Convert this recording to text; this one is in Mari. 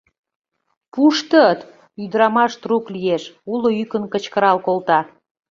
Пуштыт!.. — ӱдырамаш трук лиеш, уло йӱкын кычкырал колта.